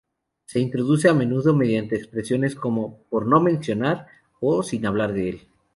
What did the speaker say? Se introduce a menudo mediante expresiones como "por no mencionar" o "sin hablar de".